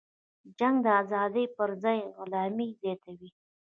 جنگ د ازادۍ پرځای غلامي زیاتوي.